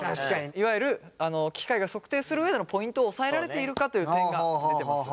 いわゆる機械が測定する上でのポイントを押さえられているかという点が出てます。